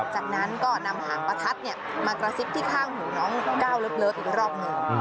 จากนั้นก็นำหางประทัดมากระซิบที่ข้างหูน้องก้าวเลิฟอีกรอบหนึ่ง